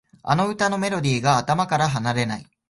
あの歌のメロディーが頭から離れない